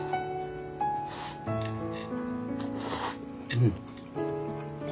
うん。